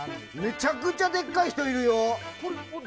めちゃくちゃでかい人いるよ！